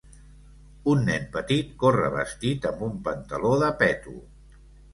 Un nen petit corre vestit amb un pantaló de peto.